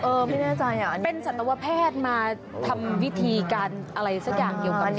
คือเป็นสัตวแพทย์มาทำวิธีอะไรสักอย่างเกี่ยวกับสน